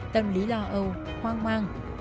tâm lý lo âu hoang mang